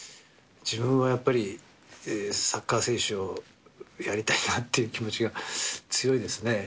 自分はやっぱり、サッカー選手をやりたいなっていう気持ちが強いですね。